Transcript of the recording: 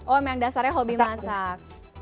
oh memang dasarnya hobi masak